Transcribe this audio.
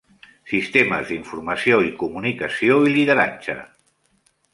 Sistemes d'informació i comunicació i lideratge.